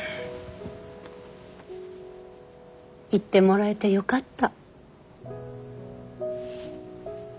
言ってもらえてよかった。